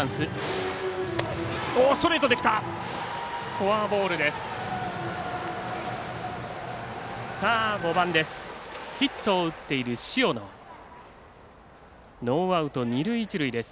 フォアボールです。